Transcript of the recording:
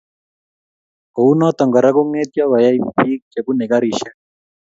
Kounoto Kora kongetyo koya bik che bunei garisiek